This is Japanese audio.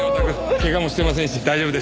怪我もしてませんし大丈夫です。